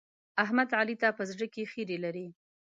احمد؛ علي ته په زړه کې خيری لري.